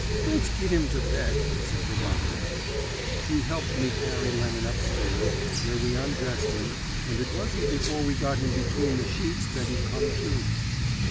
"'Let's git him to bed,' said the doctor. "He helped me carry Lemon up stairs, where we undressed him, and it wasn't before we got him between the sheets that he come to.